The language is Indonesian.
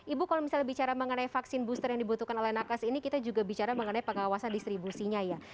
ibu kalau misalnya bicara mengenai vaksin booster yang dibutuhkan oleh nakas ini kita juga bicara mengenai pengawasan distribusinya ya